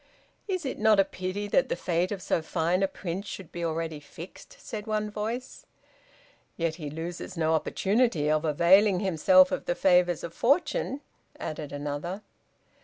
"Is it not a pity that the fate of so fine a prince should be already fixed?" said one voice. "Yet he loses no opportunity of availing himself of the favors of fortune," added another.